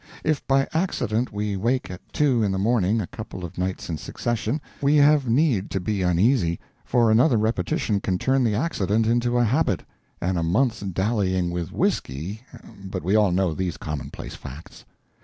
If by accident we wake at two in the morning a couple of nights in succession, we have need to be uneasy, for another repetition can turn the accident into a habit; and a month's dallying with whiskey but we all know these commonplace facts.